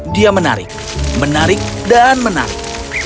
dia menarik menarik dan menarik